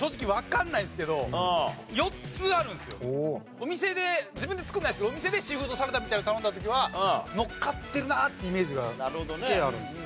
お店で自分で作らないですけどお店でシーフードサラダみたいなのを頼んだ時はのっかってるなってイメージがすげえあるんですよ。